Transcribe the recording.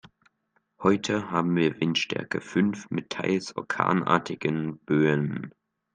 Heute haben wir Windstärke fünf mit teils orkanartigen Böen.